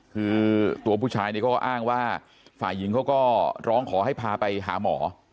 คือตัวผู้ชายเนี่ยก็อ้างว่าฝ่ายหญิงเขาก็ร้องขอให้พาไปหาหมอ